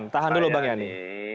tahan dulu bang yani